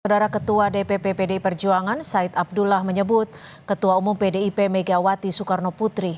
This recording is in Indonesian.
saudara ketua dpp pdi perjuangan said abdullah menyebut ketua umum pdip megawati soekarno putri